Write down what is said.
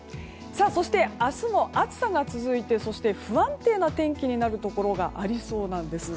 そして、明日も暑さが続いて不安定な天気になるところがありそうなんです。